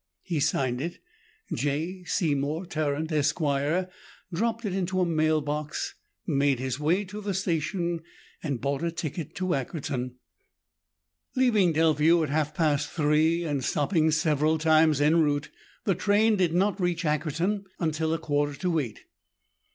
He signed it J. Seymour Tarrant, Esq., dropped it into a mail box, made his way to the station and bought a ticket to Ackerton. Leaving Delview at half past three, and stopping several times en route, the train did not reach Ackerton until a quarter to eight.